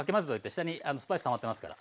下にスパイスたまってますから。